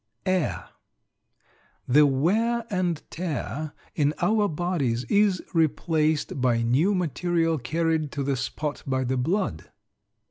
AIR. The wear and tear in our bodies is replaced by new material carried to the spot by the blood.